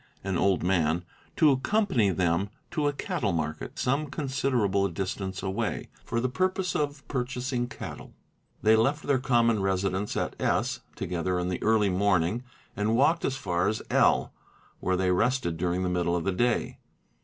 an old man, to accompany them to a cattle market, some considerable distance away, for the purpose of purchasing cattle. They left their common residence at §S. together in the early morning and walked as far as L. where they rested during the middle of the day.